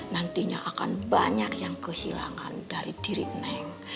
nantinya akan banyak yang kehilangan dari diri neng